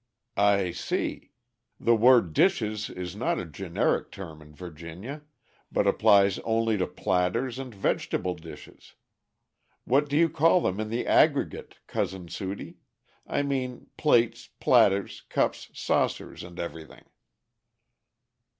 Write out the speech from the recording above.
"I see. The word 'dishes' is not a generic term in Virginia, but applies only to platters and vegetable dishes. What do you call them in the aggregate, Cousin Sudie? I mean plates, platters, cups, saucers, and everything."